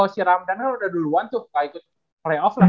si ramdhanal udah duluan tuh